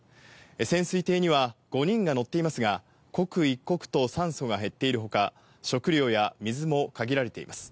潜水艇には５人が乗っていますが、刻一刻と酸素が減っているほか、食料や水も限られています。